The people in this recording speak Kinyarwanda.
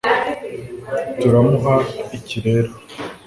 turamuha iki rero